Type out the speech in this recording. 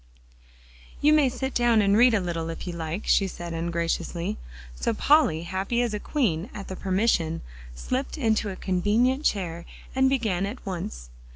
"You may sit down and read a little, if you like," she said ungraciously. So Polly, happy as a queen at the permission, slipped into a convenient chair, and began at once.